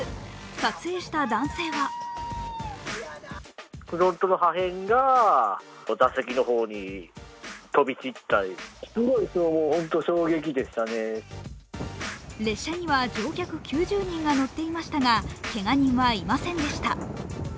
撮影した男性は列車には乗客９０人が乗っていましたがけが人はいませんでした。